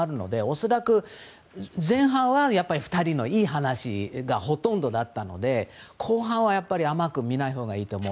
恐らく前半は２人のいい話がほとんどだったので後半は甘く見ないほうがいいと思う。